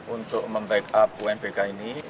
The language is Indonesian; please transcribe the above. untuk membackup unbk ini